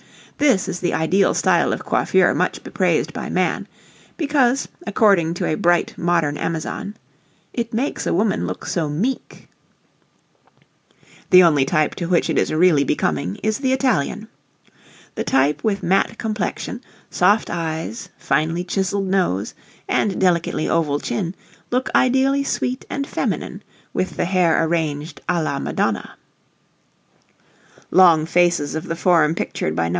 This is the ideal style of coiffure much bepraised by man, because, according to a bright modern Amazon, "it makes a woman look so meek." [Illustration: NO. 12] The only type to which it is really becoming is the Italian. The type with matte complexion, soft eyes, finely chiselled nose, and delicately oval chin, look ideally sweet and feminine with the hair arranged à la Madonna. [Illustration: NO. 13] Long faces of the form pictured by No.